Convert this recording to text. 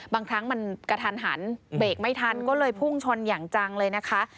บางครั้งมันกระทันหันเบรกไม่ทันก็เลยพุ่งชนอย่างจังเลยนะคะ